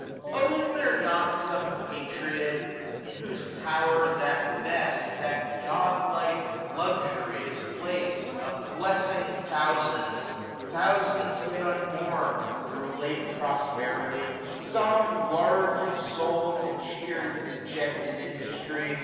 Oh is there not some patriot, in whose power That best, that godlike Luxury is placM, Of blessing thousands, thousands yet unborn, 910 Thro* late posterity ? some, large of soul. To cheer dejected industry